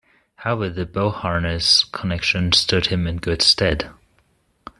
However, the Beauharnois connection stood him in good stead.